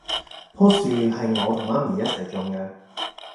樖樹係我同媽咪一齊種㗎